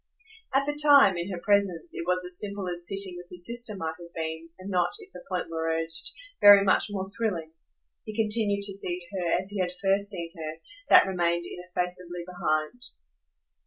At the time, in her presence, it was as simple as sitting with his sister might have been, and not, if the point were urged, very much more thrilling. He continued to see her as he had first seen her that remained ineffaceably behind.